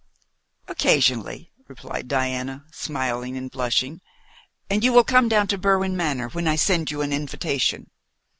"Occasionally," replied Diana, smiling and blushing; "and you will come down to Berwin Manor when I send you an invitation?"